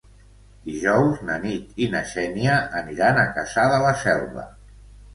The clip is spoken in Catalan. Dijous na Nit i na Xènia aniran a Cassà de la Selva.